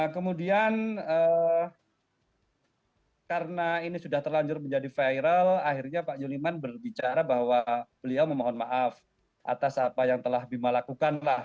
kemudian karena ini sudah terlanjur menjadi viral akhirnya pak yuniman berbicara bahwa beliau memohon maaf atas apa yang telah bima lakukanlah